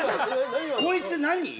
こいつ何？